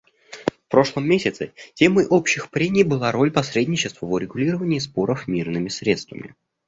В прошлом месяце темой общих прений была «Роль посредничества в урегулировании споров мирными средствами».